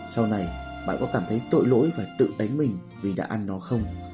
sau này bạn có cảm thấy tội lỗi và tự đánh mình vì đã ăn nó không